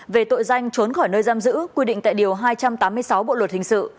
về tội danh trốn khỏi nơi giam giữ quy định tại điều hai trăm tám mươi sáu bộ luật hình sự